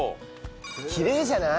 きれいじゃない？